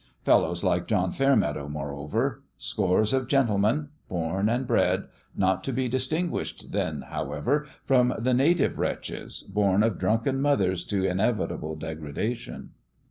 Fellows like John Fairmeadow, moreover : scores of gentlemen, born and bred, not to be distin guished, then, however, from the native wretches, born of drunken mothers to inevitable degrada tion.